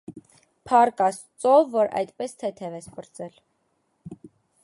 - Փառք աստծո, որ այդպես թեթև ես պրծել: